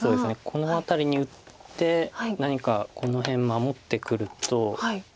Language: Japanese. この辺りに打って何かこの辺守ってくると。